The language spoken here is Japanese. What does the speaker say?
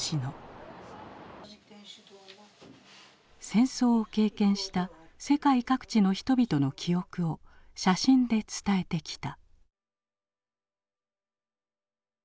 戦争を経験した世界各地の人々の記憶を写真で伝えてきた。